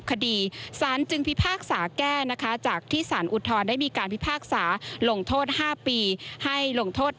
คดีสารจึงพิพากษาแก้นะคะจากที่สารอุทธรณ์ได้มีการพิพากษาลงโทษ๕ปีให้ลงโทษ